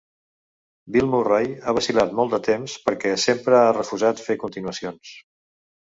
Bill Murray ha vacil·lat molt de temps perquè sempre ha refusat fer continuacions.